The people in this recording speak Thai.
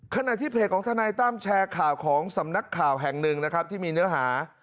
ขณะที่เพจของทนายตั้มแชร์ข่าวของสำนักข่าวแห่งหนึ่งนะครับที่มีเนื้อหา